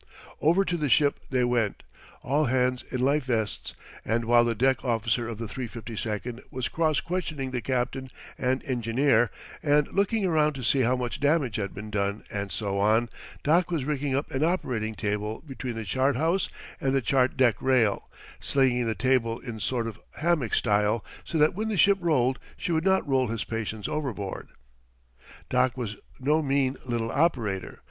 Over to the ship they went, all hands in life vests, and while the deck officer of the 352 was cross questioning the captain and engineer, and looking around to see how much damage had been done and so on, Doc was rigging up an operating table between the chart house and the chart deck rail, slinging the table in sort of hammock style so that when the ship rolled she would not roll his patients overboard. Doc was no mean little operator.